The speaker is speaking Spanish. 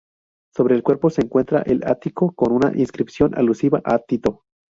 Sobre el cuerpo se encuentra el ático, con una inscripción alusiva a Tito.